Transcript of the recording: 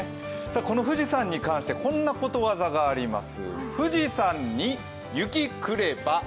この富士山に関してこんなことわざがあります。